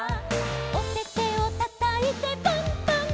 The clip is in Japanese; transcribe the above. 「おててをたたいてパンパンパン！！」